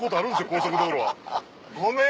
高速道路は。ごめん！